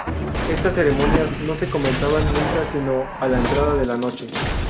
Estas ceremonias no se comenzaban nunca sino a la entrada de la noche.